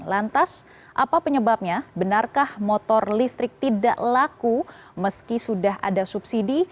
lantas apa penyebabnya benarkah motor listrik tidak laku meski sudah ada subsidi